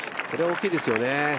これ、大きいですよね。